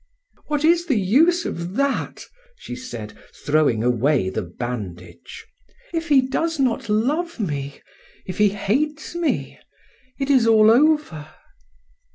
"What is the use of that!" she said, throwing away the bandage. "If he does not love me, if he hates me, it is all over."